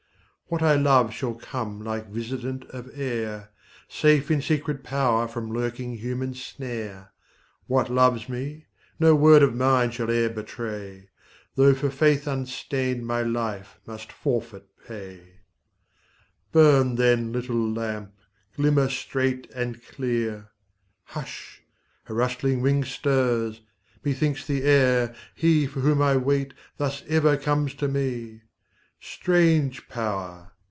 What I love shall come like visitant of air, Safe in secret power from lurking human snare; What loves me, no word of mine shall e'er betray, Though for faith unstained my life must forfeit pay Burn, then, little lamp; glimmer straight and clear Hush! a rustling wing stirs, methinks, the air: He for whom I wait, thus ever comes to me; Strange Power!